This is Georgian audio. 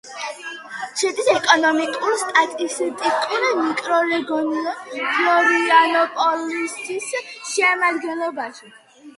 შედის ეკონომიკურ-სტატისტიკურ მიკრორეგიონ ფლორიანოპოლისის შემადგენლობაში.